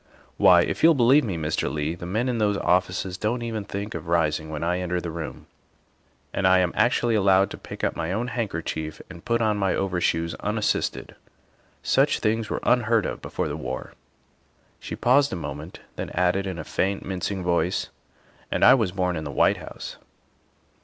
Why, if you'll believe me, Mr. Leigh, the men in those offices don't even think of rising when I enter the room, and I am actually allowed to pick up my own handker chief and put on my overshoes unassisted ! Such things were unheard of before the war." She paused a moment, then added in a faint, mincing voice, " And 7 was born in the White House."